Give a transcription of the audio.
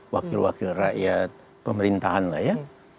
wakil wakil rakyat pemerintahan lah ya